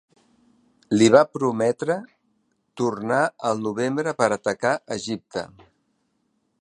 Li va prometre tornar al novembre per atacar Egipte.